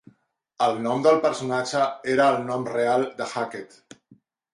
El nom del personatge era el nom real de Hackett.